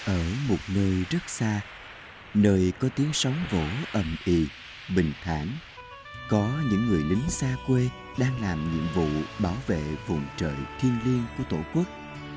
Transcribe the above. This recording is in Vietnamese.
ở một nơi rất xa nơi có tiếng sóng vỗ ẩm ị bình thẳng có những người lính xa quê đang làm nhiệm vụ bảo vệ vùng trời thiên liêng của tổ quốc